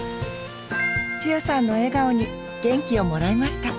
千代さんの笑顔に元気をもらいました。